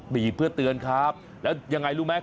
บีบเพื่อเตือนครับแล้วยังไงรู้ไหม